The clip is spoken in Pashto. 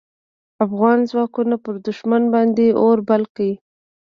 افغان ځواکونو پر دوښمن باندې اور بل کړ.